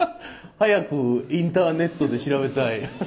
早くインターネットで調べたい。